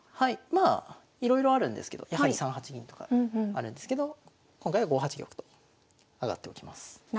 まあいろいろあるんですけどやはり３八銀とかあるんですけど今回は５八玉と上がっておきます。